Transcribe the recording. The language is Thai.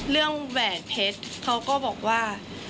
เรื่องแหวนเพชรเขาก็บอกว่า